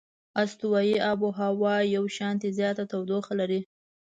استوایي آب هوا یو شانته زیاته تودوخه لري.